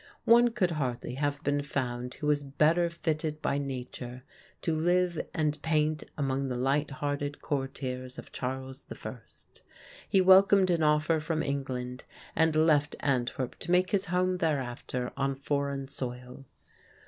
One could hardly have been found who was better fitted by nature to live and paint among the light hearted courtiers of Charles I. He welcomed an offer from England, and left Antwerp to make his home thereafter on foreign soil.